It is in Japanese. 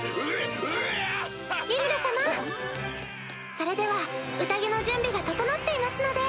それでは宴の準備が整っていますので。